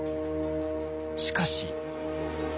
しかし。